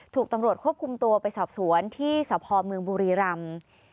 ถูกตำรวจควบคุมตัวไปสอบสวนที่สพเมืองบุรีรำ